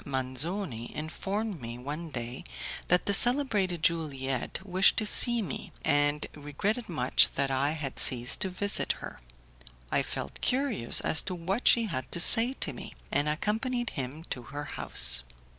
Manzoni informed me one day that the celebrated Juliette wished to see me, and regretted much that I had ceased to visit her. I felt curious as to what she had to say to me, and accompanied him to her house.